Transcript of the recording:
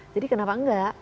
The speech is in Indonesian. jadi kenapa enggak